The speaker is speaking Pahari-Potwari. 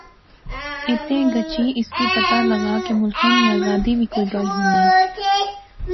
ایتھیں گچھی اس کی پتہ لغا کہ ملخے نی آزادی وی کوئی گل ہونی